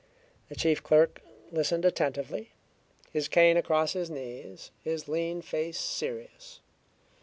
The chief clerk listened attentively, his cane across his knees, his lean face serious.